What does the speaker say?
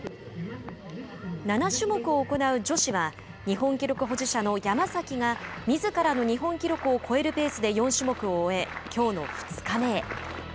七種目を行う女子は日本記録保持者の山崎がみずからの日本記録を超えるペースで４種目を終えきょうの２日目へ。